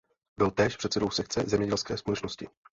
Byl též předsedou sekce zemědělské společnosti.